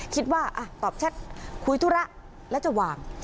คิดว่าอ่ะตอบแชทคุยธุระแล้วจะวาง